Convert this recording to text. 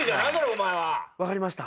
お前は。わかりました？